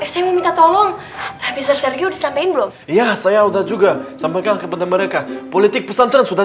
saya mau minta tolong bisa sampaiin belum iya saya udah juga sampai ke mereka politik pesantren sudah